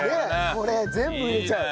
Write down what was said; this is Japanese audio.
これ全部入れちゃう？